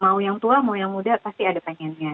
mau yang tua mau yang muda pasti ada pengennya